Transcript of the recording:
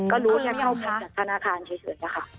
ก็รู้แค่เข้าไปจากพนาคารเฉยนะครับ